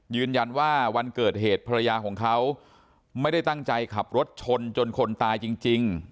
ยืนยันว่าวันเกิดเหตุภรรยาของเขาไม่ได้ตั้งใจขับรถชนจนคนตายจริง